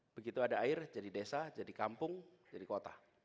begitu ada air jadi desa jadi kampung jadi kota